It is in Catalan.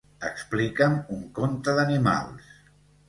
Explica'm un conte d'animals.